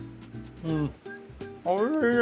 うん。